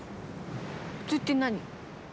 普通って何？